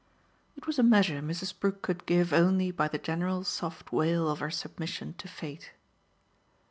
It was a measure Mrs. Brook could give only by the general soft wail of her submission to fate.